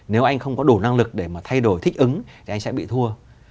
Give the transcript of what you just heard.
nếu anh không có đủ năng lực để mà thay đổi thích ứng thì anh sẽ bị thua